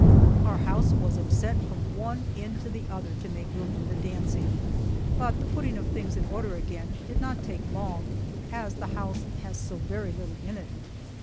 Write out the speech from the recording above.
Our house was upset from one end to the other to make room for the dancing, but the putting of things in order again did not take long, as the house has so very little in it.